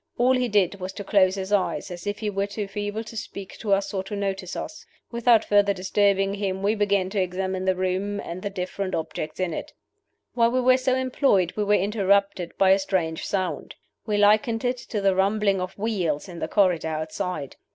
All he did was to close his eyes, as if he were too feeble to speak to us or to notice us. Without further disturbing him, we began to examine the room and the different objects in it. "While we were so employed, we were interrupted by a strange sound. We likened it to the rumbling of wheels in the corridor outside.